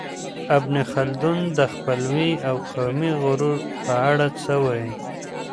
ابن خلدون د خپلوۍ او قومي غرور په اړه څه وايي؟